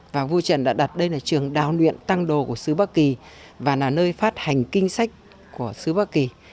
và vua trần đã đặt đây là trường đào luyện tăng đồ của sứ bắc kỳ và là nơi phát hành kinh sách của xứ bắc kỳ